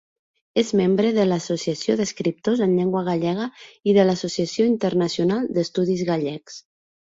És membre de l'Associació d'Escriptors en Llengua Gallega i de l'Associació Internacional d'Estudis Gallecs.